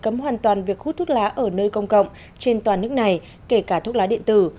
cấm hoàn toàn việc hút thuốc lá ở nơi công cộng trên toàn nước này kể cả thuốc lá điện tử